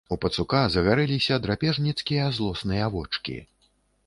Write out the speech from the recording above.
У пацука загарэліся драпежніцкія злосныя вочкі.